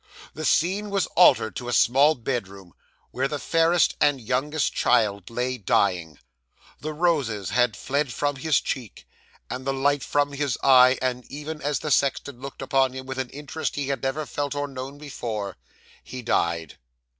The scene was altered to a small bedroom, where the fairest and youngest child lay dying; the roses had fled from his cheek, and the light from his eye; and even as the sexton looked upon him with an interest he had never felt or known before, he died.